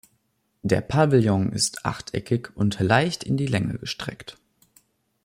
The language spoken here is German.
Der Pavillon ist achteckig und leicht in die Länge gestreckt.